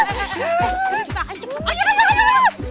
pak iwan ikut tangan tangan